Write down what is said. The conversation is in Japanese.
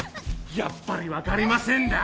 やっぱり分かりませんだ？